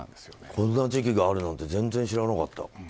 こんな時期があるなんて全然知らなかった。